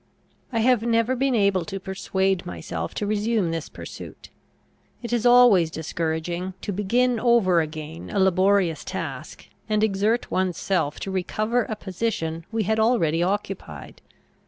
I have never been able to persuade myself to resume this pursuit. It is always discouraging, to begin over again a laborious task, and exert one's self to recover a position we had already occupied.